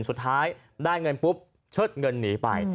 สุดท้ายได้เงินปุ๊บเชิดเงินหนีไป